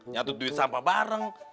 nyatut duit sampah bareng